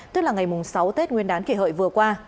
tức là ngày sáu tết nguyên đán kỷ hợi vừa qua